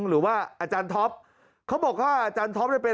หรือว่าอาจารย์ท็อปเขาบอกว่าอาจารย์ท็อปเนี่ยเป็น